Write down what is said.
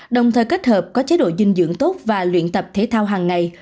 đồng thời kết hợp có chế độ dinh dưỡng tốt và luyện tập thể thao hằng ngày